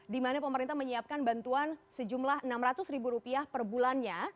di mana pemerintah menyiapkan bantuan sejumlah enam ratus ribu rupiah per bulannya